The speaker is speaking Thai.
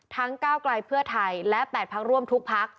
ทั้ง๙กลายเพื่อไทยและ๘พักร่วมทุกพัก